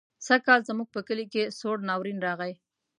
سږکال زموږ په کلي کې سوړ ناورين راغی.